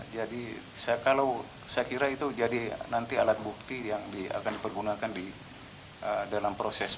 jadi kalau saya kira itu jadi nanti alat bukti yang akan dipergunakan dalam proses penyidik